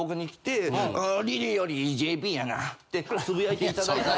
リリーよりＪＰやな。ってつぶやいて頂いて。